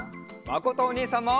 まことおにいさんも！